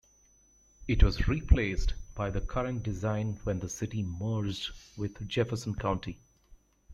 It was replaced by the current design when the city merged with Jefferson County.